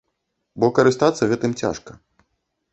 Бо карыстацца гэтым цяжка.